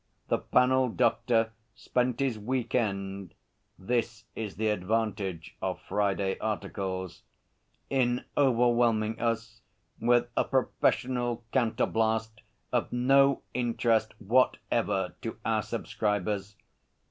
The panel doctor spent his week end (this is the advantage of Friday articles) in overwhelming us with a professional counterblast of no interest whatever to our subscribers.